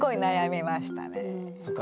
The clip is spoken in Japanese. そっか。